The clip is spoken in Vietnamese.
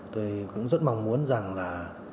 tôi cũng rất mong muốn rằng là